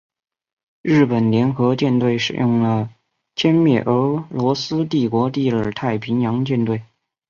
日本联合舰队使用歼灭了俄罗斯帝国第二太平洋舰队。